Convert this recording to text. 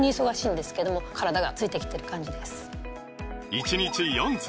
１日４粒！